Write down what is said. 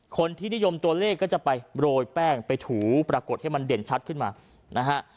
คนที่นิยมตัวเลขก็จะไปโรยแป้งไปถูปรากฏให้มันเด่นชัดขึ้นมานะฮะ